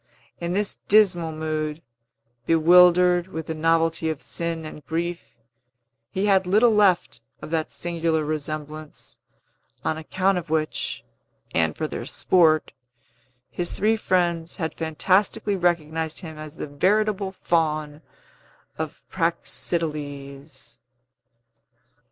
In this dismal mood, bewildered with the novelty of sin and grief, he had little left of that singular resemblance, on account of which, and for their sport, his three friends had fantastically recognized him as the veritable Faun of Praxiteles.